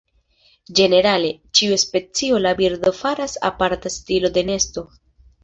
Ĝenerale, ĉiu specio de birdo faras aparta stilo de nesto.